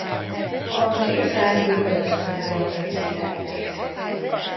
A Kill Fuck Die World Tour-on rögzítették.